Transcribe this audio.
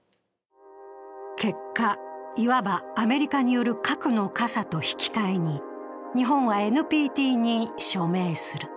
結果、いわばアメリカによる核の傘と引き替えに日本はＮＰＴに署名する。